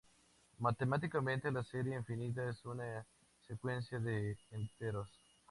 Matemáticamente, la serie infinita es una secuencia de enteros.